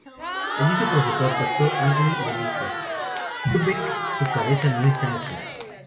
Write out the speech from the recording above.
Allí su profesor Dr. Arnold le dijo: "Brubeck, tu cabeza no está aquí.